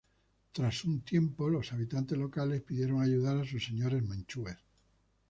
Tras un tiempo, los habitantes locales pidieron ayuda a sus señores manchúes.